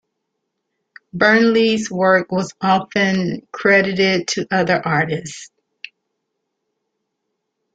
Burnley's work was often credited to other artists.